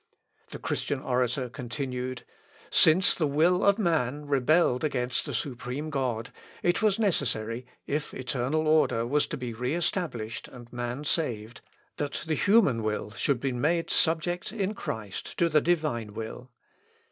" The Christian orator continued, "Since the will of man rebelled against the supreme God, it was necessary, if eternal order was to be re established and man saved, that the human will should be made subject in Christ to the divine will."